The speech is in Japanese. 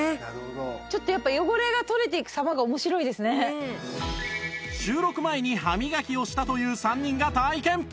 ちょっとやっぱ収録前に歯磨きをしたという３人が体験！